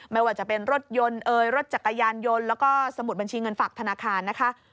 ไม่ว่าจะเป็นรถยนต์เอ่ยรถจักรยานยนต์แล้วก็สมุดบัญชีเงินฝากธนาคารนะคะ